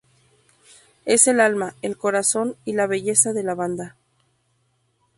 Es el alma, el corazón y la belleza de la banda.